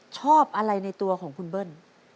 ชอบอะไรในตัวของคุณเบิ้ล